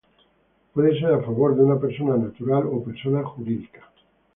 Puede ser a favor de una persona natural o persona jurídica.